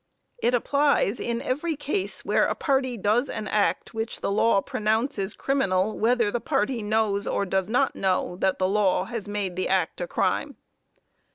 It applies in every case where a party does an act which the law pronounces criminal, whether the party knows or does not know that the law has made the act a crime.